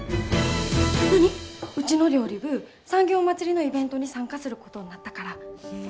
うちの料理部産業まつりのイベントに参加することになったから。